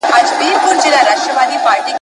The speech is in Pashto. درته راوړمه به د پرخي نښتېځلي عطر ..